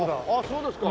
そうですか。